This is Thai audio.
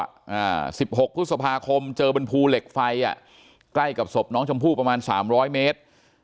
อ่า๑๖พฤษภาคมเจอบรรพูเหล็กไฟอ่ะใกล้กับศพน้องจำผู้ประมาณ๓๐๐เมตร